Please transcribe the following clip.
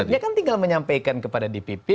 ya stepnya kan tinggal menyampaikan kepada dpp